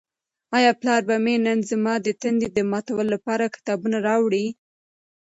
آیا پلار به مې نن زما د تندې د ماتولو لپاره کتابونه راوړي؟